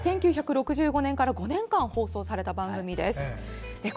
１９６５年から５年間、放送た番組です。